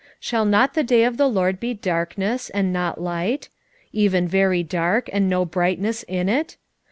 5:20 Shall not the day of the LORD be darkness, and not light? even very dark, and no brightness in it?